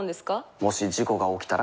もし事故が起きたら？